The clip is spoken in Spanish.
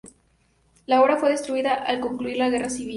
La obra fue destruida al concluir la Guerra Civil.